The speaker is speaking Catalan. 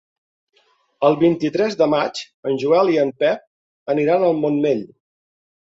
El vint-i-tres de maig en Joel i en Pep aniran al Montmell.